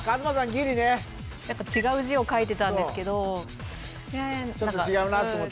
ギリね違う字を書いてたんですけどちょっと違うなと思った？